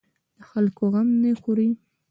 د خلکو غم نه خوري.